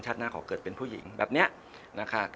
หน้าขอเกิดเป็นผู้หญิงแบบนี้นะคะ